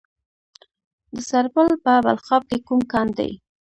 د سرپل په بلخاب کې کوم کان دی؟